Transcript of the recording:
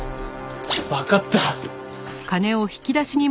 わかった。